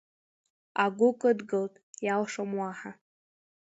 Агәы кыдгылт, иалшом уаҳа.